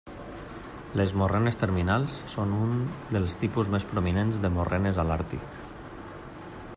Les morrenes terminals són un dels tipus més prominents de morrenes a l’Àrtic.